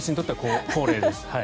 私にとっては恒例です。